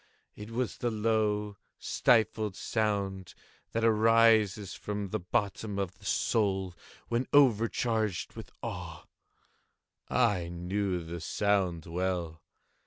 —it was the low stifled sound that arises from the bottom of the soul when overcharged with awe. I knew the sound well.